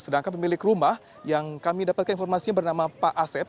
sedangkan pemilik rumah yang kami dapatkan informasinya bernama pak asep